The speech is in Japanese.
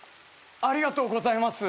ありがとうございます。